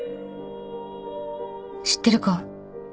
知ってるか？